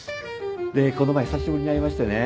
でこの前久しぶりに会いましてね。